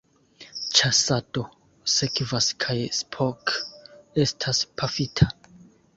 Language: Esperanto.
Ĉasado sekvas kaj Spock estas pafita.